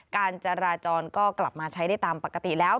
การจราจรก็กลับมาใช้ได้ตามปกติแล้ว